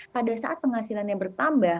pada saat penghasilannya bertambah